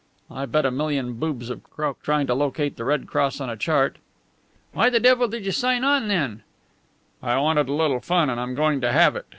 I bet a million boobs have croaked trying to locate the red cross on a chart." "Why the devil did you sign on, then?" "I wanted a little fun, and I'm going to have it.